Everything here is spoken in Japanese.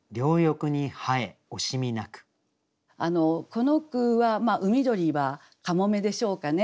この句は「海鳥」はかもめでしょうかね。